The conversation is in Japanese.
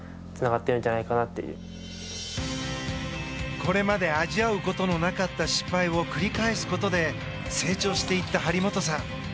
これまで味わうことのなかった失敗を繰り返すことで成長していった張本さん。